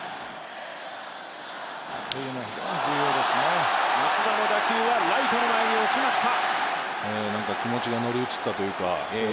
非常に重要ですね松田の打球はライトの前に落ちました